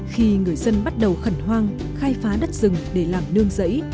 khi người dân bắt đầu khẩn hoang khai phá đất rừng để làm nương giấy